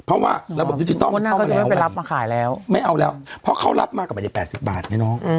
เพราะว่าแล้วบอกว่าจริงต้องเข้ามาแล้วไม่เอาแล้วเพราะเขารับมากกว่าใน๘๐บาทไหมน้อง